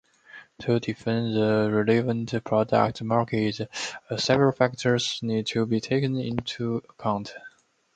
To define the relevant product market, several factors need to be taken into account.